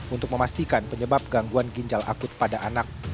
untuk memastikan penyebab gangguan ginjal akut pada anak